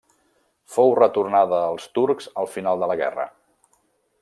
Fou retornada als turcs al final de la guerra.